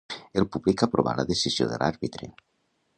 El públic aprovà la decisió de l'àrbitre.